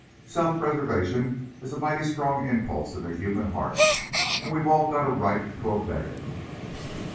Self preservation is a mighty strong impulse in the human heart, and we've all got a right to obey it."